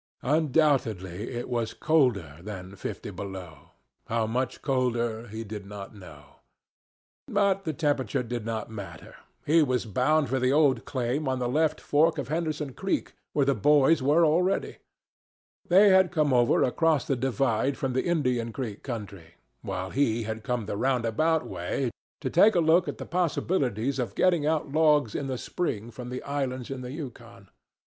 Undoubtedly it was colder than fifty below—how much colder he did not know. But the temperature did not matter. He was bound for the old claim on the left fork of Henderson Creek, where the boys were already. They had come over across the divide from the Indian Creek country, while he had come the roundabout way to take a look at the possibilities of getting out logs in the spring from the islands in the Yukon.